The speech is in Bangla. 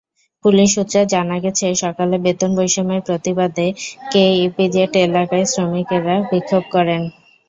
পুলিশ সূত্রে জানা গেছে, সকালে বেতন-বৈষম্যের প্রতিবাদে কেইপিজেড এলাকায় শ্রমিকেরা বিক্ষোভ করেন।